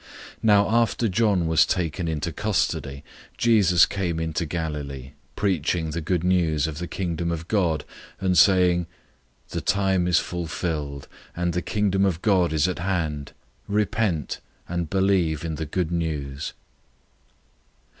001:014 Now after John was taken into custody, Jesus came into Galilee, preaching the Good News of the Kingdom of God, 001:015 and saying, "The time is fulfilled, and the Kingdom of God is at hand! Repent, and believe in the Good News."